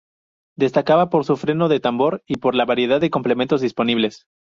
Destacaba por su freno de tambor y por la variedad de complementos disponibles.